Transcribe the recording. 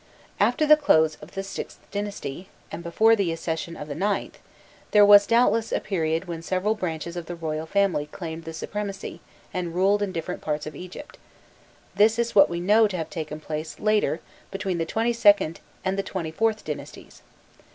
After the close of the VIth dynasty, and before the accession of the IXth, there was, doubtless, a period when several branches of the royal family claimed the supremacy and ruled in different parts of Egypt: this is what we know to have taken place later between the XXIInd and the XXIVth dynasties.